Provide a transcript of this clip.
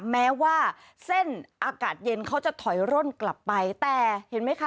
แม้ว่าเส้นอากาศเย็นเขาจะถอยร่นกลับไปแต่เห็นไหมคะ